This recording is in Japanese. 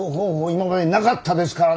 今までなかったですからね！